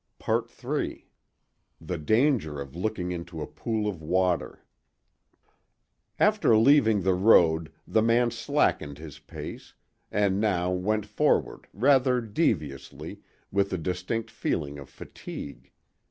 III THE DANGER OF LOOKING INTO A POOL OF WATER After leaving the road the man slackened his pace, and now went forward, rather deviously, with a distinct feeling of fatigue.